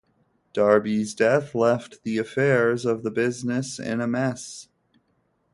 Darby's death left the affairs of the business in a mess.